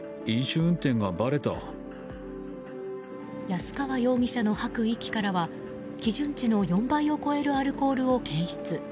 安川容疑者の吐く息からは基準値の４倍を超えるアルコールを検出。